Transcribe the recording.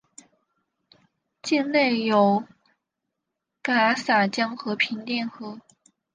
境内有戛洒江和平甸河。